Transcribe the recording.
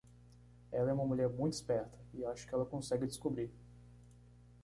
Ela é uma mulher muito esperta, e acho que ela consegue descobrir.